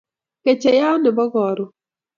Kecheiyat nebo karon